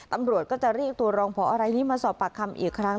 ตำรวจก็จะรีบตัวรองพอมาสอบปากคำอีกครั้ง